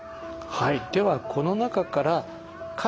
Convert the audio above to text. はい。